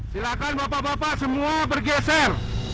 silakan bapak bapak semua bergeser